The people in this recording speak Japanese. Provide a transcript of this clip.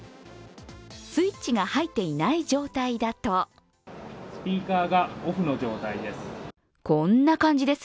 スイッチが入っていない状態だとスピーカーがオフの感じです。